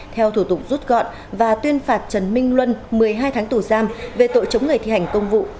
theo thủ tục rút gọn và tuyên phạt trần minh luân một mươi hai tháng tù giam về tội chống người thi hành công vụ